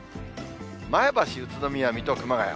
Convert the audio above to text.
前橋、宇都宮、水戸、熊谷。